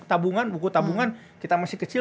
tabungan buku tabungan kita masih kecil